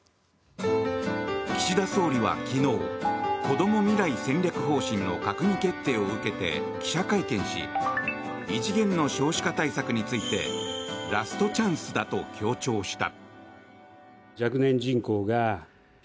岸田総理は昨日こども未来戦略方針の閣議決定を受けて記者会見し異次元の少子化対策についてラストチャンスだと強調した。